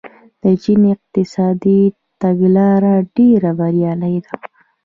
د چین اقتصادي تګلاره ډېره بریالۍ وه.